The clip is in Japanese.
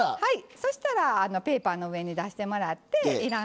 そしたらペーパーの上に出してもらっていらん